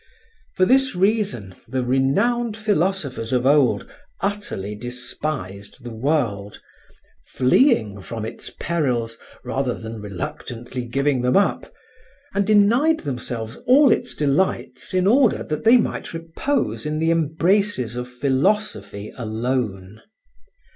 For this reason the renowned philosophers of old utterly despised the world, fleeing from its perils rather than reluctantly giving them up, and denied themselves all its delights in order that they might repose in the embraces of philosophy alone.